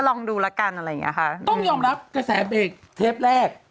ต้องยอมรับกระแสเบสเทปแรก